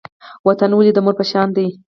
وطن ولې د مور په شان دی؟